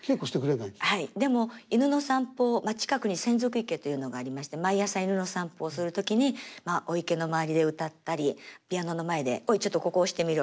でも犬の散歩近くに洗足池というのがありまして毎朝犬の散歩をする時にお池の周りで歌ったりピアノの前で「おいちょっとここ押してみろ」。